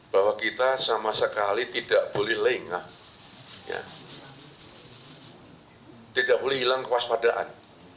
bahwa kita sama sekali tidak boleh lengah tidak boleh hilang kewaspadaan